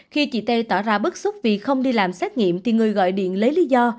khi chị tê tỏ ra bức xúc vì không đi làm xét nghiệm thì người gọi điện lấy lý do